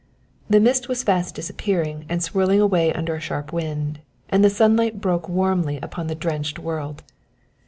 The mist was fast disappearing and swirling away under a sharp wind, and the sunlight broke warmly upon the drenched world.